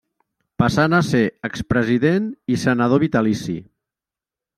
Passant a ser expresident i senador vitalici.